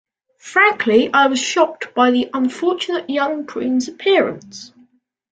Frankly, I was shocked by the unfortunate young prune's appearance.